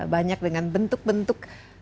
banyak dengan bentuk bentuk